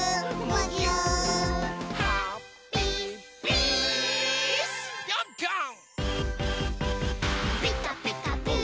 うん！